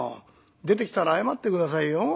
出てきたら謝って下さいよ。